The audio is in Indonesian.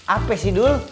apa sih dul